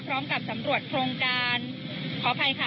พร้อมกับสำรวจโครงการขออภัยค่ะ